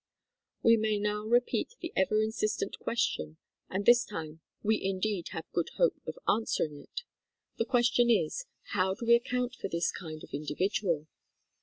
We may now repeat the ever insistent question, and this time we indeed have good hope of answering it. The question is, "How do we account for this kind of individual